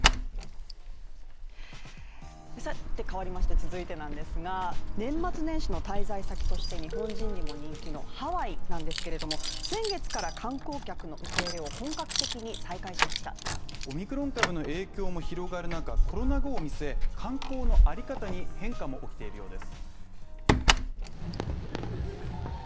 続いて、年末年始の滞在先として日本人にも人気のハワイなんですけれども、先月から観光客の受け入れを本格的に再開しましたオミクロン株の影響も広がる中、コロナ後を見据え、観光のあり方に変化も起きているようです。